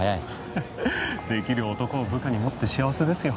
ははっ出来る男を部下に持って幸せですよ。